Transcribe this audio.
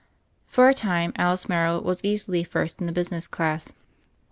For a time Alice Morrow was easily first in the business class.